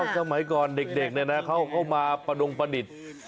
สมัยก่อนเด็กเนี่ยนะเขาก็มาประดงประดิษฐ์